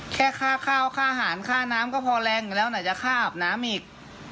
แค่ค้าบข้าวค่าหาดค่าน้ำก็พอแรงอยู่แล้วนะจะค้าบน้ำอีก